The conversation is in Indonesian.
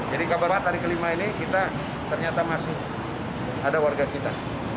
jadi kabar dari kelima ini kita ternyata masih ada warga kita